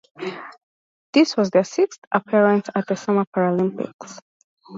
This was their sixth appearance at the Summer Paralympics.